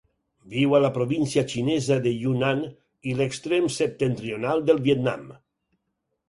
Viu a la província xinesa de Yunnan i l'extrem septentrional del Vietnam.